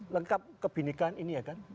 lengkap kebinekaan ini ya kan